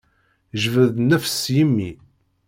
Jbed nnefs s yimi.